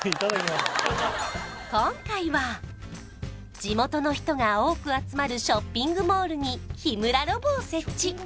今回は地元の人が多く集まるショッピングモールに日村ロボを設置